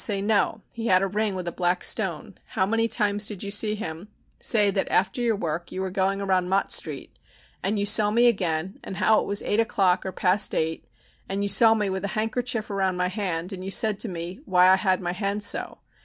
Say no, he had a ring with a black stone, how many times did you see him, say that after your work you were going around Mott Street and you saw me again and how it was eight o'clock or past eight and you saw me with a handkerchief around my hand, and you said to me, why I had my hand so.